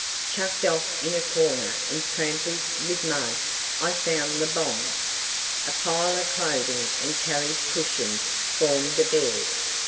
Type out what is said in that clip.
Chucked off in a corner and trampled with mud I found the bonds. A pile of clothing and carriage cushions formed a bed.